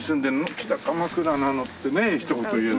「北鎌倉なの」ってねひと言言える。